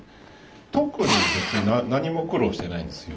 特に別に何も苦労してないんですよ。